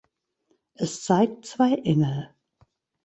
Es zeigt zwei Engel.